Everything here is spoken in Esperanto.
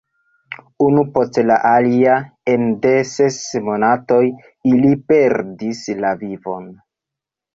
Unu post la alia, ene de ses monatoj, ili perdis la vivon.